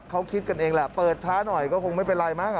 เขาคิดกันเองแหละเปิดช้าหน่อยก็คงไม่เป็นไรมั้ง